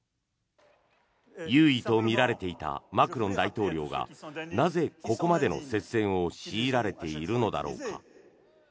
優位とみられていたマクロン大統領がなぜ、ここまでの接戦を強いられているのだろうか。